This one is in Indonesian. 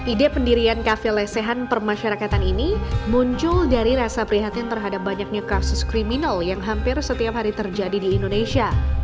ide pendirian kafe lesehan permasyarakatan ini muncul dari rasa prihatin terhadap banyaknya kasus kriminal yang hampir setiap hari terjadi di indonesia